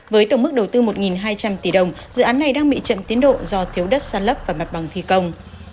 với tổng mức đầu tư một hai trăm linh tỷ đồng dự án này đang bị chậm tiến độ do thiếu đất sản lấp và mặt bằng thi công